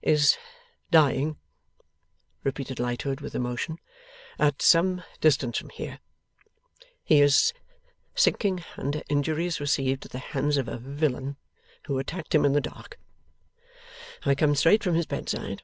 'Is dying,' repeated Lightwood, with emotion, 'at some distance from here. He is sinking under injuries received at the hands of a villain who attacked him in the dark. I come straight from his bedside.